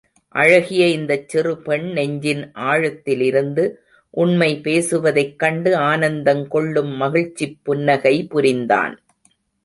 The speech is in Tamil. அழகிய இந்தச் சிறு பெண் நெஞ்சின் ஆழத்திலிருந்து உண்மை பேசுவதைக் கண்டு ஆனந்தங்கொள்ளும் மகிழ்ச்சிப் புன்னகை புரிந்தான்.